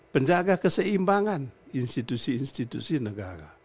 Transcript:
penjaga keseimbangan institusi institusi negara